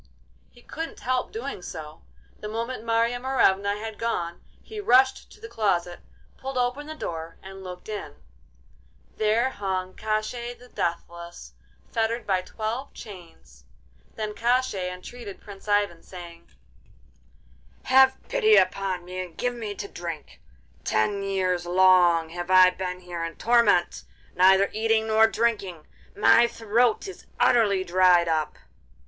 He couldn't help doing so. The moment Marya Morevna had gone he rushed to the closet, pulled open the door, and looked in—there hung Koshchei the Deathless, fettered by twelve chains. Then Koshchei entreated Prince Ivan, saying: 'Have pity upon me and give me to drink! Ten years long have I been here in torment, neither eating nor drinking; my throat is utterly dried up.